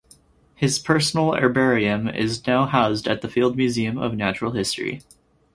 His personal herbarium is now housed at the Field Museum of Natural History.